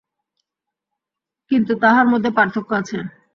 কিন্তু তাহার মধ্যে পার্থক্য আছে।